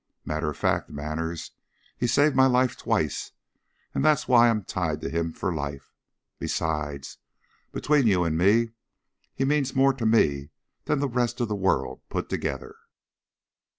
Matter of fact, Manners, he saved my life twice and that's why I'm tied to him for life. Besides, between you and me, he means more to me than the rest of the world put together."